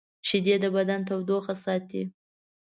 شیدې د بدن تودوخه ساتي